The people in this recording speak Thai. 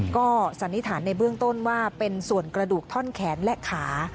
ก็สันนิษฐานในเบื้องต้นว่าเป็นส่วนกระดูกท่อนแขนและขา